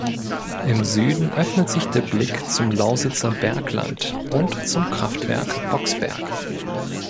Im Süden öffnet sich der Blick zum Lausitzer Bergland und zum Kraftwerk Boxberg.